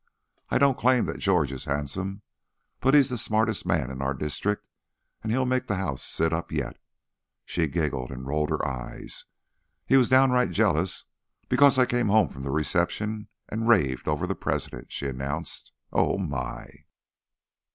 "I don't claim that George is handsome, but he's the smartest man in our district and he'll make the House sit up yet." She giggled and rolled her eyes. "He was downright jealous because I came home from the reception and raved over the President," she announced. "Oh, my!"